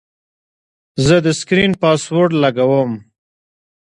زه د سکرین پاسورډ لګوم.